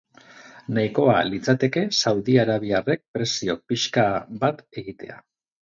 Nahikoa litzateke saudiarabiarrek presio pixka bat egitea.